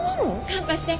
カンパして。